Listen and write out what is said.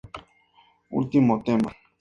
Ultimo tema.